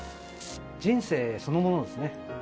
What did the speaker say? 人生そのものですね。